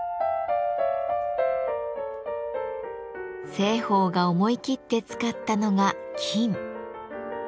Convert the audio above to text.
栖鳳が思い切って使ったのが金。